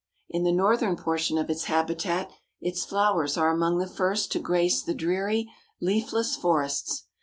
In the northern portion of its habitat its flowers are among the first to grace the dreary, leafless forests.